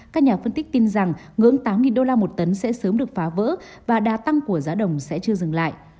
các nhà phân tích tin rằng ngưỡng tám đô la một tấn sẽ sớm được phá vỡ và đa tăng của giá đồng sẽ chưa dừng lại